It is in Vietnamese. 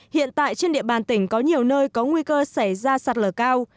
hiện tại trên địa bàn tỉnh có nhiều nơi có nguy cơ xảy ra sạt lở cao